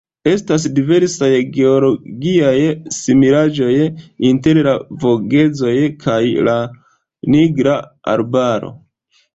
Estas diversaj geologiaj similaĵoj inter la Vogezoj kaj la Nigra Arbaro.